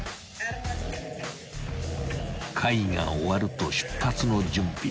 ［会議が終わると出発の準備］